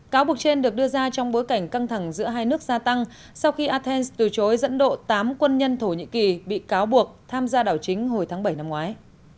cáo buộc trên được đưa ra trong bối cảnh căng thẳng giữa hai nước gia tăng sau khi athens từ chối dẫn độ tám quân nhân thổ nhĩ kỳ bị cáo buộc tham gia đảo chính hồi tháng bảy năm ngoái